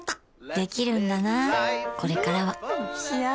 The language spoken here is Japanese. できるんだなこれからはん！